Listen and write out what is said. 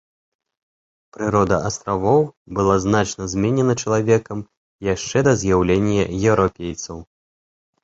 Прырода астравоў была значна зменена чалавекам яшчэ да з'яўлення еўрапейцаў.